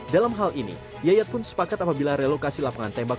dalam hal ini yayat pun sepakat apabila relokasi lapangan tembak